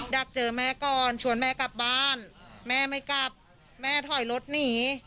อยากเจอแม่ก่อนชวนแม่กลับบ้านแม่ไม่กลับแม่ถอยรถหนี